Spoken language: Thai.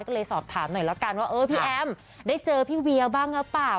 ก็เลยสอบถามหน่อยละกันว่าเออพี่แอมได้เจอพี่เวียบ้างหรือเปล่า